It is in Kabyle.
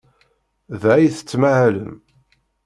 Da ay tettmahalem?